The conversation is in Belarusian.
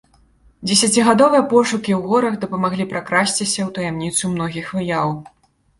Дзесяцігадовыя пошукі ў горах дапамаглі пракрасціся ў таямніцу многіх выяў.